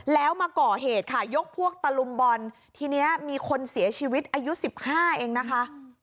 แล้วมาก่อเหตุค่ะยกพวกตะลุมบอลทีนี้มีคนเสียชีวิตอายุสิบห้าเองนะคะ